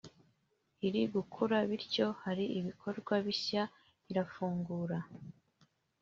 iri gukura bityo hari ibikorwa bishya irafungura